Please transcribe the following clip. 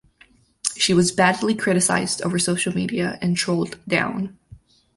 She was badly criticized over social media and trolled down.